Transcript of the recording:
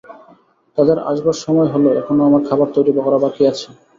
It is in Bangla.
তাদের আসবার সময় হল– এখনো আমার খাবার তৈরি করা বাকি আছে।